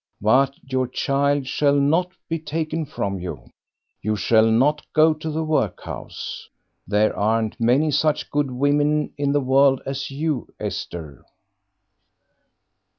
But your child shall not be taken from you. You shall not go to the workhouse. There aren't many such good women in the world as you, Esther."